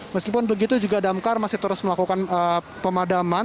meskipun begitu juga damkar masih terus melakukan pemadaman